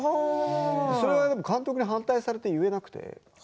それを監督に反対されて言えなくて。